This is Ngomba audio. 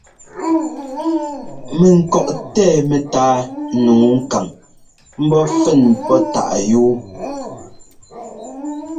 Mɛŋkɔꞌ tɛɛ mɛtáa nǔu kaŋ ḿbɔ́ fɛn pɔ́ táꞌ yúu.